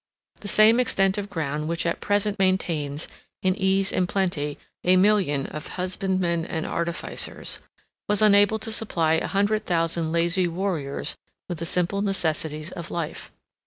The same extent of ground which at present maintains, in ease and plenty, a million of husbandmen and artificers, was unable to supply a hundred thousand lazy warriors with the simple necessaries of life.